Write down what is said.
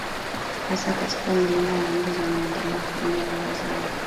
hasa katika milima ya Andes wanaoendelea kutumia lugha zao